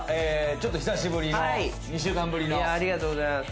ちょっと久しぶりの２週間ぶりのありがとうございます